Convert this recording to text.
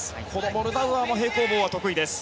モルダウアーも平行棒は得意です。